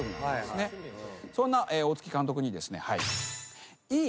そんな大月監督にいい